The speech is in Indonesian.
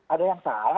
ada yang salah